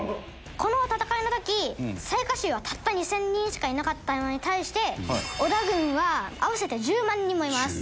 この戦いの時雑賀衆はたった２０００人しかいなかったのに対して織田軍は合わせて１０万人もいます。